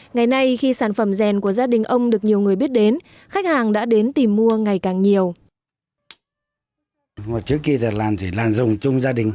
ngày nay khi sản phẩm rèn của gia đình ông được nhiều người biết đến khách hàng đã đến tìm mua ngày càng nhiều